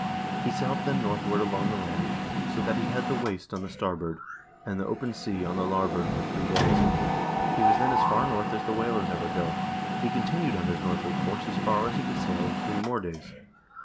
He sailed then northward along the land, so that he had the waste on the star board, and the open sea on the larboard for three days. He was then as far north as the whalers ever go. He continued on his north ward course as far as he could sail in three more days.